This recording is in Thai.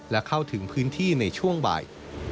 และเข้าถึงพื้นที่ในช่วงบ่าย